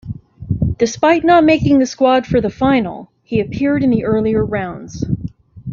Despite not making the squad for the final he appeared in the earlier rounds.